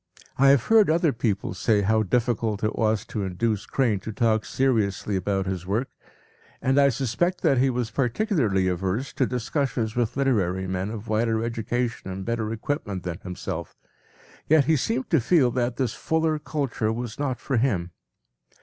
p> I have heard other people say how difficult it was to induce Crane to talk seriously about his work, and I suspect that he was particularly averse to discussions with literary men of wider education and better equipment than himself, yet he seemed to feel that this fuller culture was not for him.